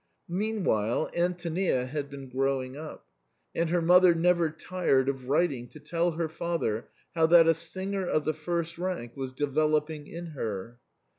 Meanwhile, Antonia had been growing up ; and her mother never tired of writing to tell her father how that a singer of the first rank was developing in her.